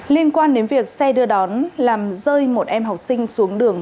liên quan đến việc xe đưa đón làm rơi một em học sinh xuống đường